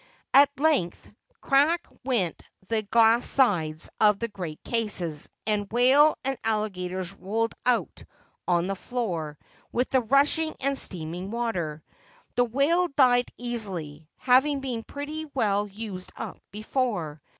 At length, crack went the glass sides of the great cases, and whale and alligators rolled out on the floor with the rushing and steaming water. The whale died easily, having been pretty well used up before.